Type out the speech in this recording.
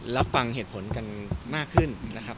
รับฟังเหตุผลกันมากขึ้นนะครับ